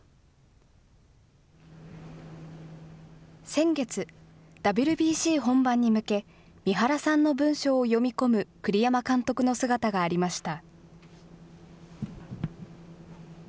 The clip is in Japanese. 先月、ＷＢＣ本番に向け、三原さんの文章を読み込む栗山監督の姿がありました。